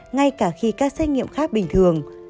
ngay cả khi các xét nghiệm khác bình thường